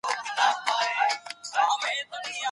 خصوصي سکتور نه غواړي چي خپل فعالیتونه ودروي.